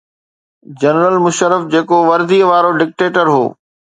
General Musharraf جيڪو وردي وارو ڊڪٽيٽر هو.